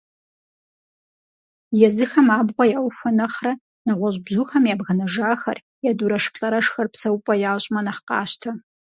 Езыхэм абгъуэ яухуэ нэхърэ, нэгъуэщӀ бзухэм ябгынэжахэр е дурэшплӀэрэшхэр псэупӀэ ящӀмэ нэхъ къащтэ.